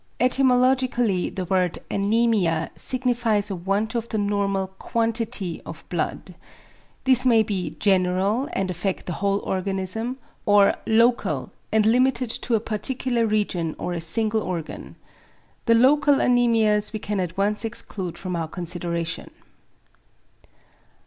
Etymologically the word "=anæmia=" signifies a want of the normal =quantity of blood=. This may be "general" and affect the whole organism; or "local" and limited to a particular region or a single organ. The local anæmias we can at once exclude from our consideration.